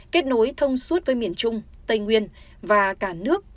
kết nối thông suốt với miền trung tây nguyên và cả nước